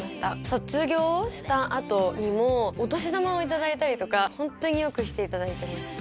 卒業した後にもお年玉を頂いたりとかホントによくしていただいてます。